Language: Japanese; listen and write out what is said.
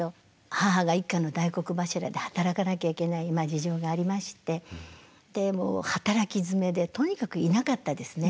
母が一家の大黒柱で働かなきゃいけない事情がありましてでもう働きづめでとにかくいなかったですね。